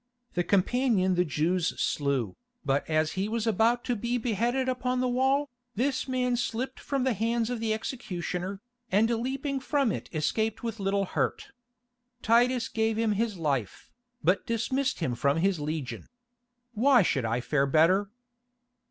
The companion the Jews slew, but as he was about to be beheaded upon the wall, this man slipped from the hands of the executioner, and leaping from it escaped with little hurt. Titus gave him his life, but dismissed him from his legion. Why should I fare better?"